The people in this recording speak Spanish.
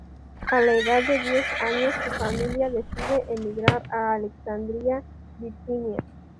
A la edad de diez años, su familia decide emigrar a Alexandria, Virginia.